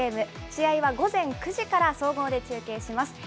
試合は午前９時から総合で中継します。